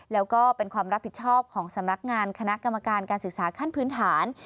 แล้วก็เป็นความรับผิดชอบของสำนักงานคณะกรรมการการศึกษาขั้นพื้นฐาน